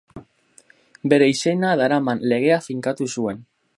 Bere izena daraman legea finkatu zuen.